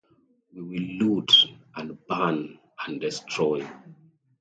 We will loot and burn and destroy.